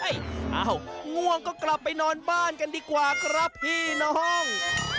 เอ้าง่วงก็กลับไปนอนบ้านกันดีกว่าครับพี่น้อง